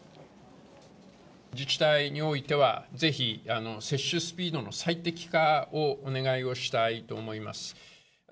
自治体においては、ぜひ接種スピードの最適化をお願いをしたいと思います。